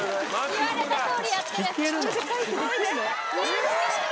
言われたとおりやってる。